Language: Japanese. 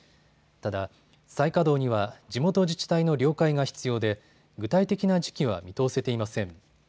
ただ、再稼働には地元自治体の了解が必要で具体的な時期は見通せていません。